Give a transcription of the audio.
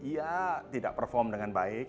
ya tidak perform dengan baik